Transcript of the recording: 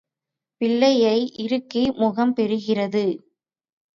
பிள்ளையை இறுக்கி முகம் பெறுகிறது.